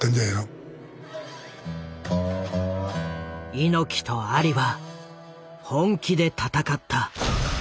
猪木とアリは本気で戦った。